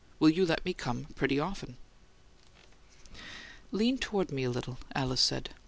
Will you let me come pretty often?" "Lean toward me a little," Alice said.